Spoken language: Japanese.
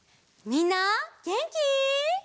みんなげんき？